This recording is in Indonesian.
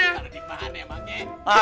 harus dibahas ya pak gek